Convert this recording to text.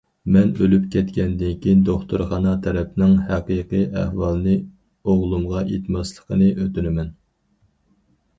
مەن ئۆلۈپ كەتكەندىن كېيىن دوختۇرخانا تەرەپنىڭ ھەقىقىي ئەھۋالنى ئوغلۇمغا ئېيتماسلىقىنى ئۆتۈنىمەن.